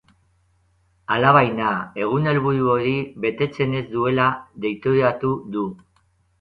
Alabaina, egun helburu hori betetzen ez duela deitoratu du.